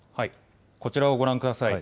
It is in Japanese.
こちらをご覧ください。